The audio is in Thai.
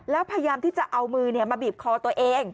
แล้วพยายามที่จะเอามือมาบีบคอตัวเอง